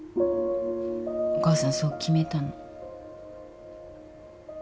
お母さんそう決めたの。